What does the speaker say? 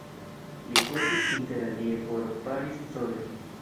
Li fotis inter alie por Paris-Soir.